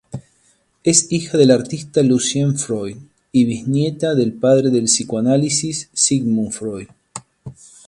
Es hija del artista "Lucian Freud" y bisnieta del padre del psicoanálisis "Sigmund Freud".